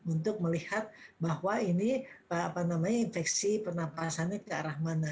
untuk melihat bahwa ini infeksi penapasannya ke arah mana